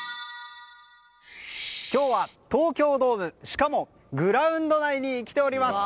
今日は東京ドームしかもグラウンド内に来ております。